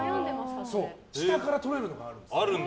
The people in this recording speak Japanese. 下からとれるのがあるんです。